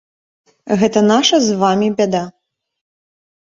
Гэта наша з вамі бяда.